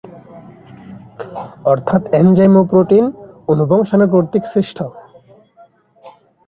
অর্থাৎ এনজাইম ও প্রোটিন অণু বংশাণু কর্তৃক সৃষ্ট।